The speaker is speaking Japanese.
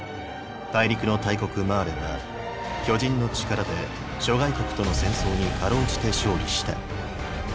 大陸の大国マーレは巨人の力で諸外国との戦争にかろうじて勝利した。